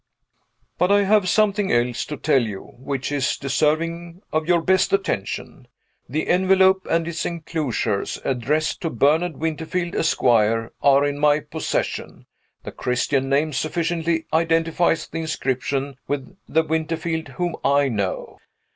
But I have something else to tell you, which is deserving of your best attention. The envelope and its inclosures (addressed to "Bernard Winterfield, Esqre.") are in my possession. The Christian name sufficiently identifies the inscription with the Winterfield whom I know.